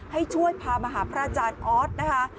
ให้ช่วยพามาหาพระอาจารย์ออสนะคะ